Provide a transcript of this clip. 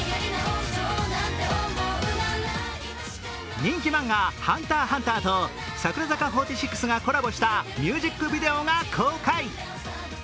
人気漫画「ＨＵＮＴＥＲ×ＨＵＮＴＥＲ」と櫻坂４６がコラボしたミュージックビデオが公開。